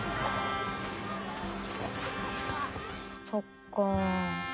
そっか。